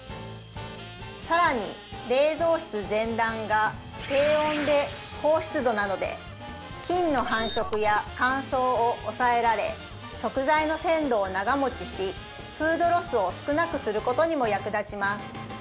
更に冷蔵室全段が低温で高湿度なので菌の繁殖や乾燥を抑えられ食材の鮮度を長もちしフードロスを少なくすることにも役立ちます